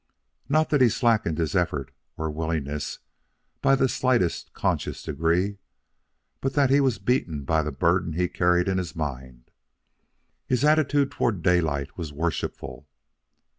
Not that he slackened his effort or willingness by the slightest conscious degree, but that he was beaten by the burden he carried in his mind. His attitude toward Daylight was worshipful.